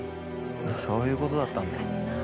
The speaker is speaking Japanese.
そういうことだったんだ。